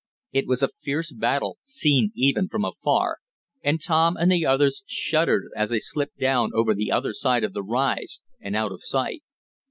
It was a fierce battle, seen even from afar, and Tom and the others shuddered as they slipped down over the other side of the rise, and out of sight.